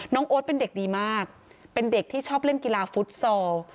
โอ๊ตเป็นเด็กดีมากเป็นเด็กที่ชอบเล่นกีฬาฟุตซอล